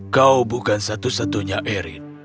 kau bukan satu satunya erin